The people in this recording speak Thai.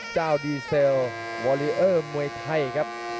เจ้าดีเซลวอลิเออร์มวยไทยครับ